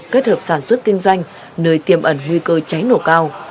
kết hợp sản xuất kinh doanh nơi tiềm ẩn nguy cơ cháy nổ cao